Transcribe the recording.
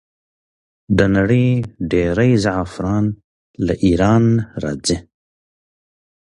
د نړۍ ډیری زعفران له ایران راځي.